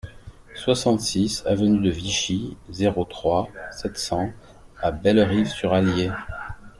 soixante-six avenue de Vichy, zéro trois, sept cents à Bellerive-sur-Allier